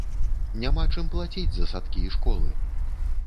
Няма чым плаціць за садкі і школы!